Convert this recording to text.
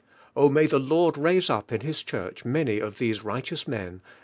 Oh may the Lord raise up in Ilis Church many of these righteous men.